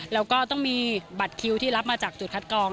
แล้วก็ต้องมีบัตรคิวที่รับมาจากจุดคัดกอง